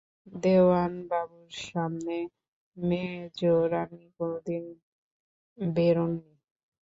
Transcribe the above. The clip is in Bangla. দেওয়ানবাবুর সামনে মেজোরানী কোনোদিন বেরোন নি।